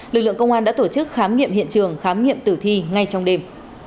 lực lượng công an đã tổ chức khám nghiệm hiện trường khám nghiệm tử thi ngay trong đêm